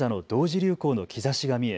流行の兆しが見え